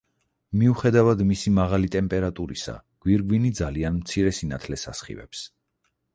მიუხედავად მისი მაღალი ტემპერატურისა, გვირგვინი ძალიან მცირე სინათლეს ასხივებს.